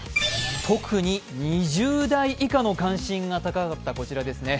特に２０代以下の関心が高かったこちらですね。